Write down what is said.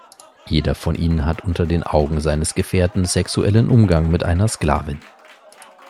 Jeder von ihnen hat unter den Augen seines Gefährten sexuellen Umgang mit einer Sklavin.